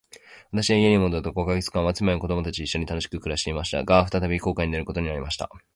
私は家に戻ると五ヵ月間は、妻や子供たちと一しょに楽しく暮していました。が、再び航海に出ることになりました。